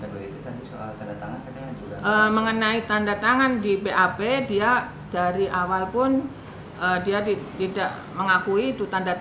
pemperberatan yang terbuat itu tadi soal tanda tangan katanya juga